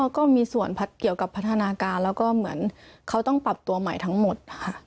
ก็มีส่วนเกี่ยวกับพัฒนาการแล้วก็เหมือนเขาต้องปรับตัวใหม่ทั้งหมดค่ะ